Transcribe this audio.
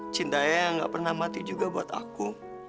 cinta ayang yang enggak pernah mati juga buat aku